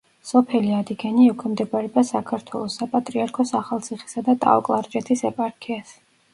სოფელი ადიგენი ექვემდებარება საქართველოს საპატრიარქოს ახალციხისა და ტაო-კლარჯეთის ეპარქიას.